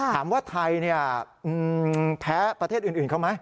ถามว่าไทยแพ้ประเทศอื่นเขาไหม